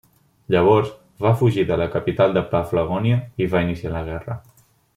Llavors va fugir de la capital de Paflagònia i va iniciar la guerra.